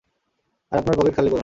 আর আপনার পকেট খালি করুন।